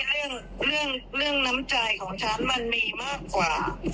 เรื่องเรื่องน้ำใจของฉันมันมีมากกว่า